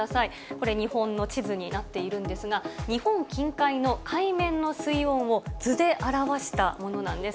これ、日本の地図になっているんですが、日本近海の海面の水温を図で表したものなんです。